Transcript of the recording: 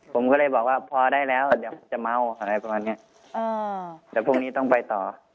ผมก็เลยบอกว่าพอได้แล้วเดี๋ยวจะเมาอะไรประมาณเนี้ยอ่าเดี๋ยวพรุ่งนี้ต้องไปต่อ